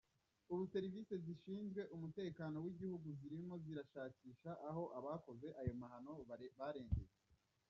Ubu serivise zishinzwe umutekano w’igihugu zirimo zirashakisha aho abakoze ayo mahano barengeye.